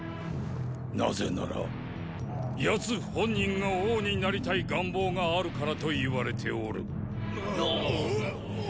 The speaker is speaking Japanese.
なぜなら奴本人が王になりたい願望があるからと言われておる。